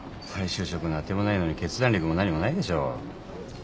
再就職の当てもないのに決断力も何もないでしょう。